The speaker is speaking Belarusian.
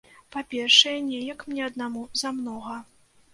Па-першае, неяк мне аднаму замнога.